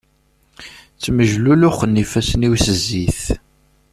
Ttmejluluxen ifassen-iw s zzit.